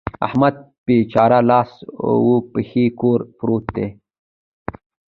احمد بېچاره لاس و پښې کور پروت دی.